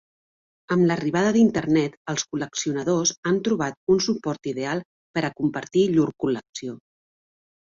Amb l'arribada d'internet, els col·leccionadors han trobat un suport ideal per a compartir llur col·lecció.